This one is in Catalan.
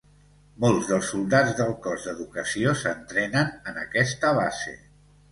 Molts dels soldats del cos d'Educació s'entrenen en aquesta base.